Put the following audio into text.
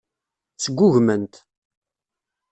Sgugmen-t.